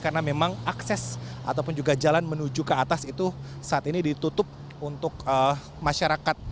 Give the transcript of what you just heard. karena memang akses ataupun juga jalan menuju ke atas itu saat ini ditutup untuk masyarakat